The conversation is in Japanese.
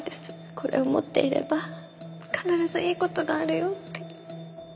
これを持っていれば必ずいい事があるよって。